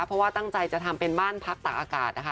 เพราะว่าตั้งใจจะทำเป็นบ้านพักตากอากาศนะคะ